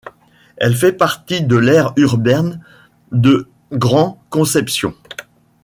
Elle fait partie de l'aire urbaine de Grand Concepción.